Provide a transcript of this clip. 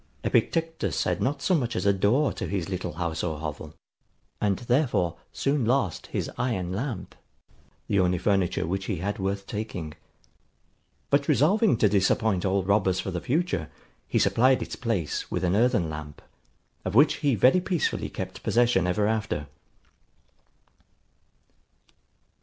Epictetus had not so much as a door to his little house or hovel; and therefore, soon lost his iron lamp, the only furniture which he had worth taking. But resolving to disappoint all robbers for the future, he supplied its place with an earthen lamp, of which he very peacefully kept possession ever after.